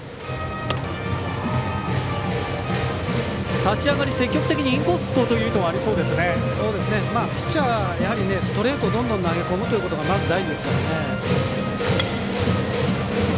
立ち上がり、積極的にインコース突こうというピッチャー、ストレートどんどん投げ込むということが大事ですからね。